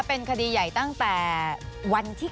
เป็นคดีใหญ่ตั้งแต่วันที่๓